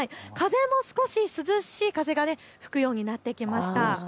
風も少し涼しい風が吹くようになってきました。